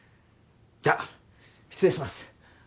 じゃあ失礼します。